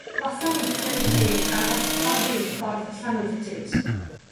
Gwasanaethir y dref gan orsaf reilffordd Llanwrtyd.